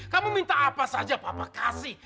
kamu minta apa saja papa kasih